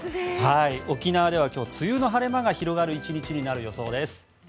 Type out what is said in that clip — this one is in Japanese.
沖縄では今日梅雨の晴れ間が広がる１日になる予想です。